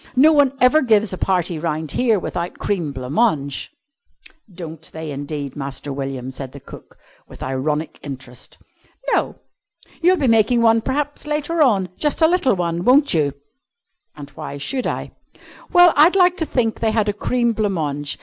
No one ever gives a party round here without cream blanc mange!" "Don't they indeed, Master William," said cook, with ironic interest. "No. You'll be making one, p'raps, later on just a little one, won't you?" "And why should I?" "Well, I'd like to think they had a cream blanc mange.